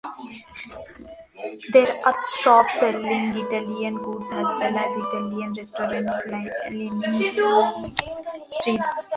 There are shops selling Italian goods as well as Italian restaurants lining the streets.